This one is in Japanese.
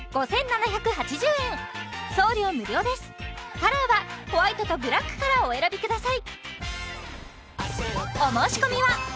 カラーはホワイトとブラックからお選びください